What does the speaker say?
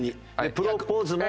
プロポーズも。